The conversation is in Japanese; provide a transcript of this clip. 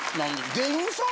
芸人さん？